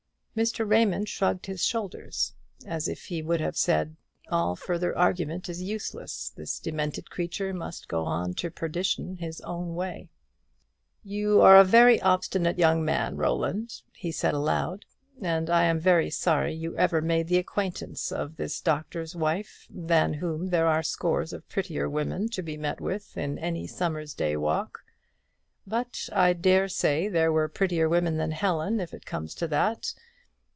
Mr. Raymond shrugged his shoulders, as if he would have said, "All further argument is useless; this demented creature must go to perdition his own way." "You are a very obstinate young man, Roland," he said aloud; "and I am very sorry you ever made the acquaintance of this Doctor's Wife, than whom there are scores of prettier women to be met with in any summer day's walk; but I dare say there were prettier women than Helen, if it comes to that.